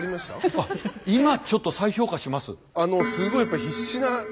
あっ今ちょっと再評価します。